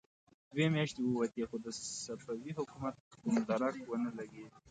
دوې مياشتې ووتې، خو د صفوي حکومت کوم درک ونه لګېد.